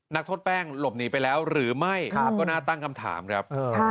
นักโทษแป้งหลบหนีไปแล้วหรือไม่ก็น่าตั้งคำถามครับ